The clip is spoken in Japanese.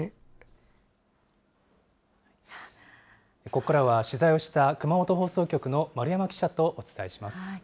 ここからは、取材をした熊本放送局の丸山記者とお伝えします。